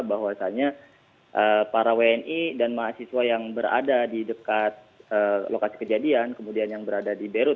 bahwasannya para wni dan mahasiswa yang berada di dekat lokasi kejadian kemudian yang berada di beirut